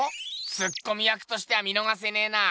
ツッコミ役としては見のがせねぇな。